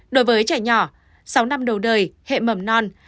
đối với trẻ nhỏ sáu năm đầu đời hệ mầm non